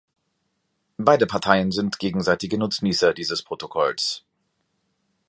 Beide Parteien sind gegenseitige Nutznießer dieses Protokolls.